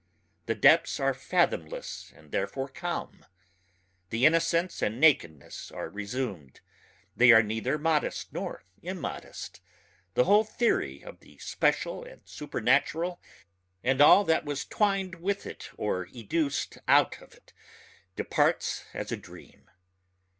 The depths are fathomless and therefore calm. The innocence and nakedness are resumed ... they are neither modest nor immodest. The whole theory of the special and supernatural and all that was twined with it or educed out of it departs as a dream.